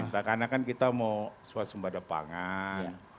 karena kan kita mau swasumbadapangan